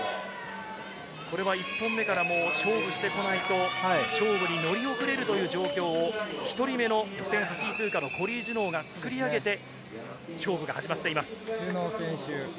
これは１本目から勝負してこないと勝負に乗り遅れるという状況を１人目の予選８位通過のコリー・ジュノーが作り上げて、勝負が始まっています。